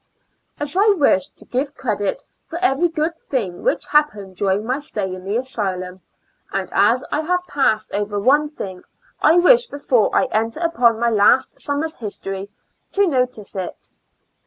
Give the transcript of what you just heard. As I wish to give credit for every good thing which happened during my stay in the asylum, and as I have passed over one thing, I wish, before I enter upon my last summer's history,* to notice it.